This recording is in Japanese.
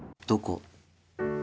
どこ？